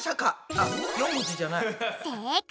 あっ４文字じゃない。